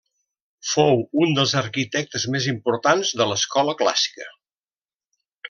Fou un dels arquitectes més importants de l'escola clàssica.